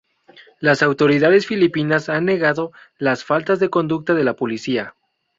Las autoridades filipinas han negado las faltas de conducta de la policía.